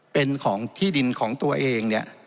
เป็นของที่ดินของตัวเองเนี่ย